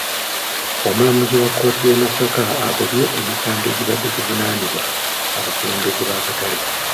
Omulamuzi wa kkooti y'e Masaka agobye emisango egibadde givunaanibwa abakulembeze b'akatale.